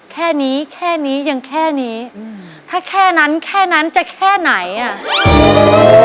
แค่นี้แค่นี้ยังแค่นี้อืมถ้าแค่นั้นแค่นั้นจะแค่ไหนอ่ะ